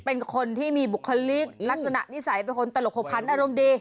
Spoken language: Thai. เป็นคนที่มีบุคลิกลักษณะนิสัยเป็นคนตลกขบคันอารมณ์ดี